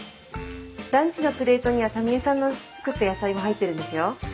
ランチのプレートにはタミ江さんの作った野菜も入ってるんですよ。